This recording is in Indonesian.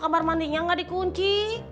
kamar mandinya gak dikunci